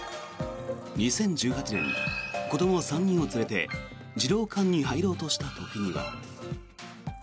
２０１８年、子ども３人を連れて児童館に入ろうとした時には。